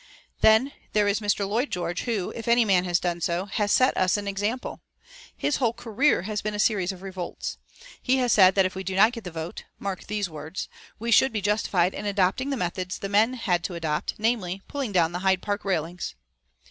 Then there is Mr. Lloyd George, who, if any man has done so, has set us an example. His whole career has been a series of revolts. He has said that if we do not get the vote mark these words we should be justified in adopting the methods the men had to adopt, namely, pulling down the Hyde Park railings."